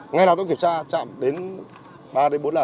ngay lúc tôi cũng kiểm soát chạm đến ba đến bốn lần